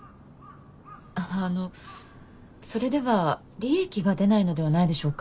あのそれでは利益が出ないのではないでしょうか。